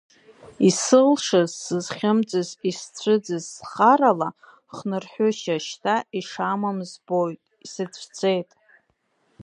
Исылшаз, сызхьымӡаз, исцәыӡыз схарала, хнырҳәышьа шьҭа ишамам збоит, исыцәцеит.